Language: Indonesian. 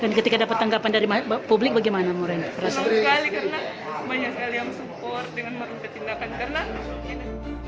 dan ketika dapat tanggapan dari publik bagaimana moren